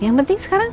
yang penting sekarang